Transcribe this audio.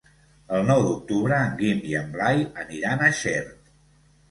El nou d'octubre en Guim i en Blai aniran a Xert.